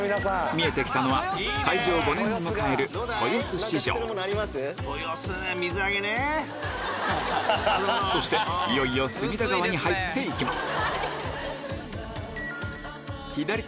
見えてきたのは開場５年を迎えるそしていよいよ隅田川に入っていきます